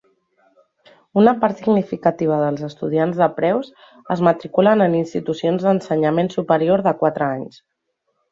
Una part significativa dels estudiants de Preuss es matriculen en institucions d'ensenyament superior de quatre anys.